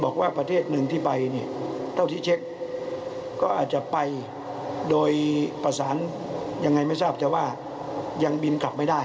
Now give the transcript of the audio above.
ก็อาจจะไปโดยประสานยังไงไม่ทราบแต่ว่ายังบินกลับไม่ได้